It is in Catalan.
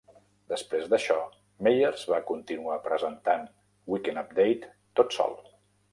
Després d'això, Meyers va continuar presentant "Weekend Update" tot sol.